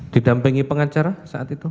didampingi pengacara saat itu